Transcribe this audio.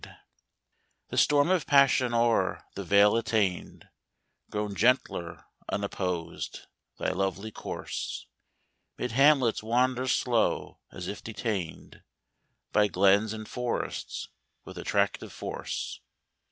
7 74 GERMANY* The storm of passion o'er, the vale attained, Grown gentler unopposed, thy lovely course ■'Mid hamlets wanders slow, as if detained By glens and forests, with attractive force.